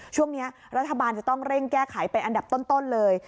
ช่วงนี้รัฐบาลจะต้องเร่งแก้ไขเป็นอันดับต้นเลย